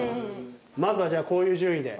まずはじゃあこういう順位で。